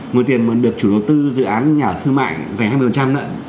nguồn tiền mà được chủ đầu tư dự án nhà ở thương mại dành hai mươi nợ